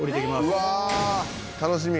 「うわ楽しみ」